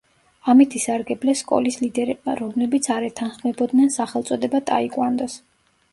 ამით ისარგებლეს სკოლის ლიდერებმა, რომლებიც არ ეთანხმებოდნენ სახელწოდება ტაიკვანდოს.